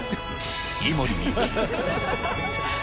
井森美幸。